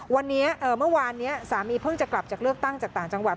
วันนี้เมื่อวานนี้สามีเพิ่งจะกลับจากเลือกตั้งจากต่างจังหวัด